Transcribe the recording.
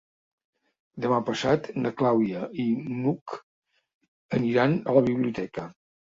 Demà passat na Clàudia i n'Hug aniran a la biblioteca.